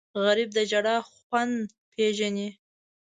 غریب د ژړا خوند پېژني